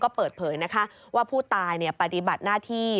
ก็เปิดเผยนะคะว่าผู้ตายปฏิบัติหน้าที่